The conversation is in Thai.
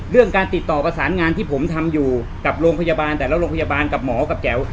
เรื่องการติดต่อประสานงานที่ผมทำอยู่กับโรงพยาบาลแต่ละโรงพยาบาลกับหมอกับแจ๋ว